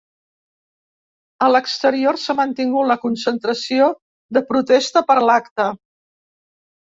A l’exterior s’ha mantingut la concentració de protesta per l’acte.